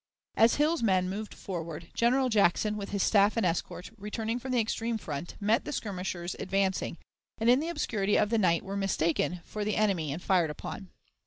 As Hill's men moved forward, General Jackson, with his staff and escort, returning from the extreme front, met the skirmishers advancing, and in the obscurity of the night were mistaken for the enemy and fired upon.